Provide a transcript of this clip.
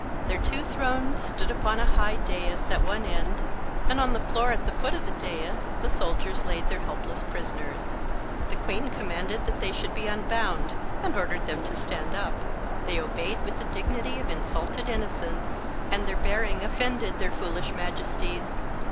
Their two thrones stood upon a high dais at one end, and on the floor at the foot of the dais, the soldiers laid their helpless prisoners. The queen commanded that they should be unbound, and ordered them to stand up. They obeyed with the dignity of insulted innocence, and their bearing offended their foolish majesties.